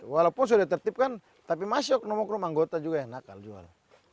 walaupun sudah ditertipkan tapi masih oknum oknum anggota juga yang nakal jual